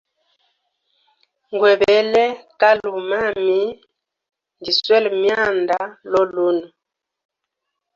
Ngwebele kalamu lyami lolunwe, ndjiswele myanda.